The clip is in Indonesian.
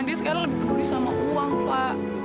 dia sekarang lebih peduli sama uang pak